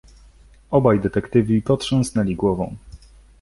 "Obaj detektywi potrząsnęli głową."